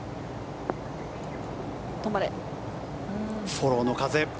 フォローの風。